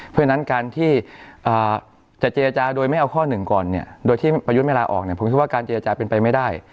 เพราะฉะนั้นการที่จะเจรจาโดยไม่เอาข้อหนึ่งก่อนเนี่ยโดยที่ประยุทธ์ไม่ลาออกเนี่ยผมคิดว่าการเจรจาเป็นไปไม่ได้